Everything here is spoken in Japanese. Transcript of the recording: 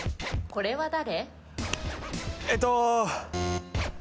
これは誰？